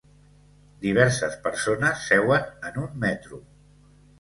Diverses persones seuen en un metro.